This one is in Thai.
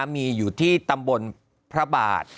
มีอยู่ที่ตำบลพระบาท